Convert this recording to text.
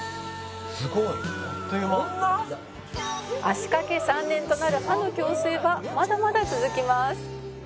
「足掛け３年となる歯の矯正はまだまだ続きます」